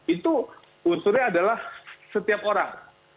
itu unsurnya adalah setiap orang